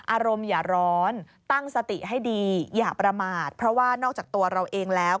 อย่าร้อนตั้งสติให้ดีอย่าประมาทเพราะว่านอกจากตัวเราเองแล้ว